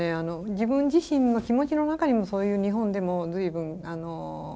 自分自身の気持ちの中にもそういう日本でも随分そういう扱いを受けた。